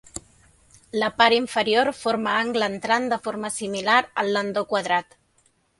La part inferior forma angle entrant de forma similar al landó quadrat.